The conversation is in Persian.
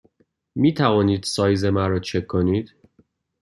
می توانید سایز مرا چک کنید؟